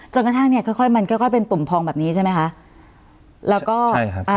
จนกระทั่งนี้ค่อยมันก็ก็เป็นตุ่มพองแบบนี้ใช่ไหมคะ